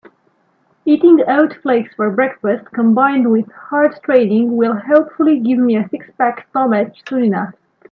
Eating oat flakes for breakfast combined with hard training will hopefully give me a six-pack stomach soon enough.